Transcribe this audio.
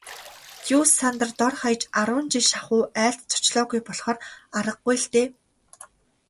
Дюссандер дор хаяж арван жил шахуу айлд зочлоогүй болохоор аргагүй л дээ.